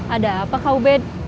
ada apa kau ben